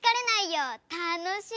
たのしい！